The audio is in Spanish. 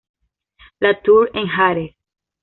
La Tour-en-Jarez